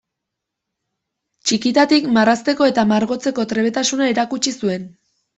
Txikitatik marrazteko eta margotzeko trebetasuna erakutsi zuen.